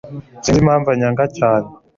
Sinzi impamvu anyanga cyane